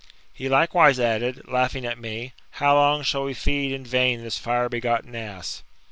He likewise added, laughing at me, How long shall we feed in vain this fire begotten ass